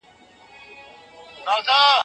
شمع كوچ سوه د محفل له ماښامونو